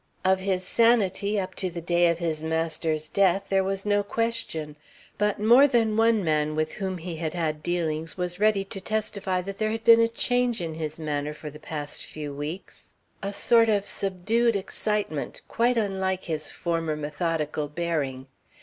Of his sanity up to the day of his master's death there was no question; but more than one man with whom he had had dealings was ready to testify that there had been a change in his manner for the past few weeks a sort of subdued excitement, quite unlike his former methodical bearing.